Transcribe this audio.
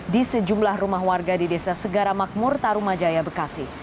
di sejumlah rumah warga di desa segara makmur tarumajaya bekasi